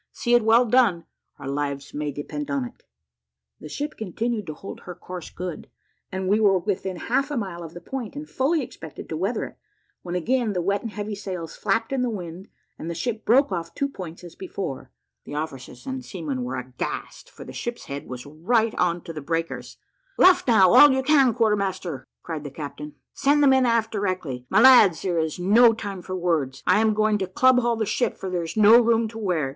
See it well done our lives may depend upon it." The ship continued to hold her course good; and we were within half a mile of the point, and fully expected to weather it, when again the wet and heavy sails flapped in the wind, and the ship broke off two points as before. The officers and seamen were aghast, for the ship's head was right on to the breakers. "Luff now, all you can, quarter master," cried the captain. "Send the men aft directly. My lads, there is no time for words I am going to club haul the ship, for there is no room to wear.